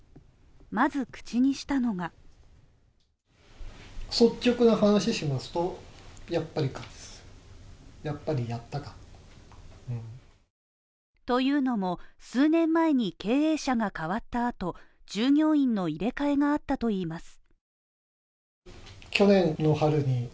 まず口にしたのがというのも、数年前に経営者が変わった後、従業員の入れ替えがあったといいます。